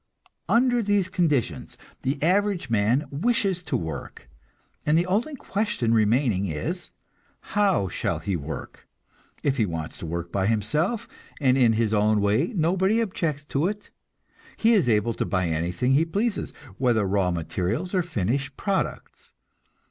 Under these conditions the average man wishes to work, and the only question remaining is, how shall he work? If he wants to work by himself, and in his own way, nobody objects to it. He is able to buy anything he pleases, whether raw materials or finished products.